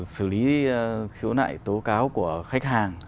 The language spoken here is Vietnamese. sử lý khiếu nại tố cáo của khách hàng